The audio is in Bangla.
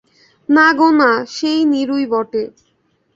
না গো না, সেই নীরুই বটে।